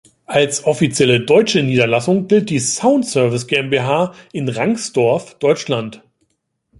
Als offizielle deutsche Niederlassung gilt die Sound Service GmbH in Rangsdorf, Deutschland.